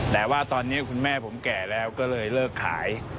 แต่ว่าตอนนี้คุณแม่ผมแก่แล้วก็เลยเลิกขาย